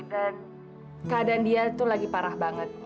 dan keadaan dia tuh lagi parah banget